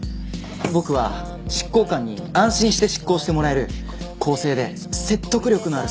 僕は執行官に安心して執行してもらえる公正で説得力のある裁判官になりたい。